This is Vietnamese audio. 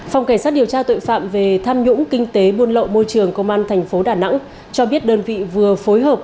phòng cảnh sát điều tra tội phạm về tham nhũng kinh tế buôn lậu môi trường công an tp đà nẵng cho biết đơn vị vừa phối hợp